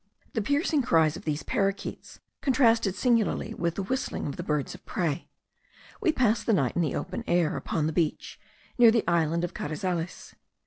The piercing cries of these paroquets contrasted singularly with the whistling of the birds of prey. We passed the night in the open air, upon the beach, near the island of Carizales.